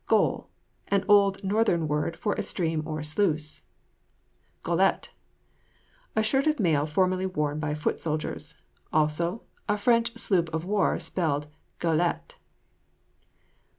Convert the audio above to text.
GOLE. An old northern word for a stream or sluice. GOLLETTE. The shirt of mail formerly worn by foot soldiers. Also, a French sloop of war, spelled go├½lette.